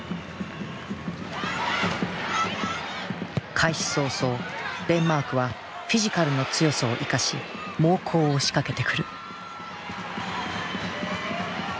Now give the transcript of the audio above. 開始早々デンマークはフィジカルの強さを生かし猛攻を仕掛けてくる。